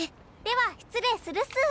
では失礼するっす。